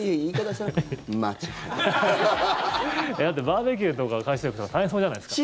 だってバーベキューとか海水浴大変そうじゃないですか。